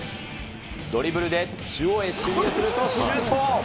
ドリブルで中央へ来ると、シュート。